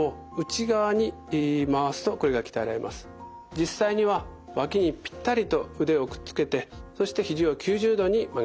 実際には脇にぴったりと腕をくっつけてそして肘を９０度に曲げてください。